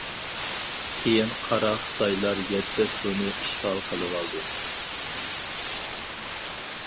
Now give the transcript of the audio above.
كېيىن قارا خىتايلار يەتتە سۇنى ئىشغال قىلىۋالدى.